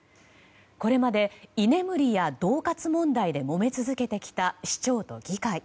これまで居眠りや恫喝問題でもめ続けてきた市長と議会。